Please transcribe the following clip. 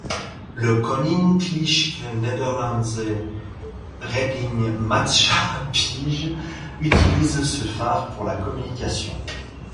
Le Koninklijke Nederlandse Redding Maatschappij utilise ce phare pour la communication.